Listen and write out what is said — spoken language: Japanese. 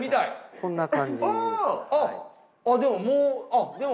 こんな感じです。